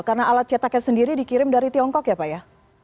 karena alat cetaknya sendiri dikirim dari tiongkok ya pak ya